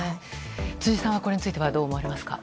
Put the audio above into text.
辻さんはこれについてはどう思われますか。